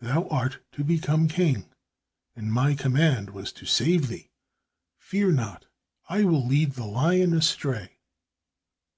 "Thou art to become king, and my command was to save thee. Fear not, I will lead the lion astray."